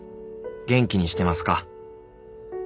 元気にしてますか？